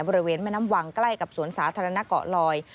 บริเวณแม่น้ำวังใกล้กับสวนสาธารณะเกาะลอย